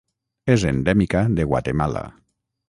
És endèmica de Guatemala.